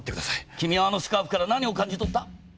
君はあのスカーフから何を感じ取った？